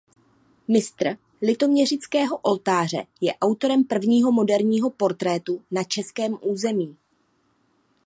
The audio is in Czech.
Mistr Litoměřického oltáře je autorem prvního moderního portrétu na českém území.